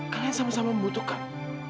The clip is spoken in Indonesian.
kalian sama sama membutuhkan